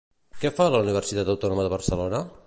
Què fa a la Universitat Autònoma de Barcelona?